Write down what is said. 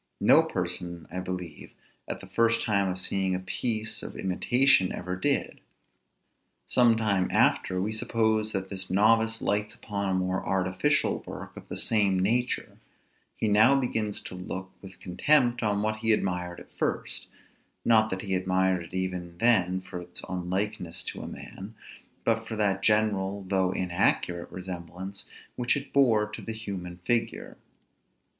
No person, I believe, at the first time of seeing a piece of imitation ever did. Some time after, we suppose that this novice lights upon a more artificial work of the same nature; he now begins to look with contempt on what he admired at first; not that he admired it even then for its unlikeness to a man, but for that general though inaccurate resemblance which it bore to the human figure.